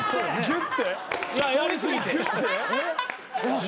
やり過ぎて。